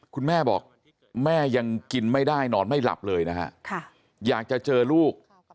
คุณแม่บอกแม่ยังกินไม่ได้นอนไม่หลับเลยนะฮะอยากจะเจอลูก